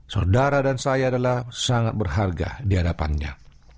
saudara dan saya adalah sangat berharga di hadapannya